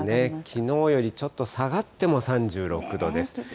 きのうよりちょっと下がっても３６度です。